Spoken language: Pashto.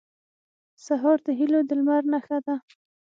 سهار د هيلو د لمر نښه ده.